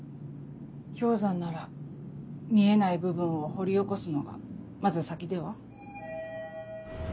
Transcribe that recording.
氷山なら見えない部分を掘り起こすのがまず先では？